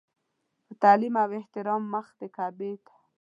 په تعلیم او احترام مخ د کعبې ته.